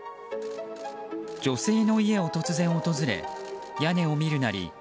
女性の家を突然訪れ屋根を見るなり